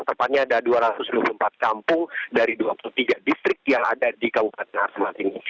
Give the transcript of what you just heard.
tepatnya ada dua ratus dua puluh empat kampung dari dua puluh tiga distrik yang ada di kabupaten asmat ini